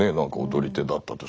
踊り手だったと。